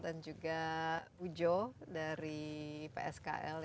dan juga ujo dari pskl